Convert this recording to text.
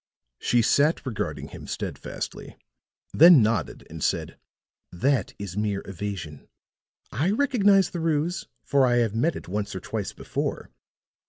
She sat regarding him steadfastly; then nodded and said: "That is mere evasion. I recognize the ruse, for I have met it once or twice before.